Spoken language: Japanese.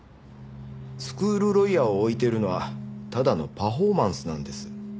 スクールロイヤーを置いているのはただのパフォーマンスなんです。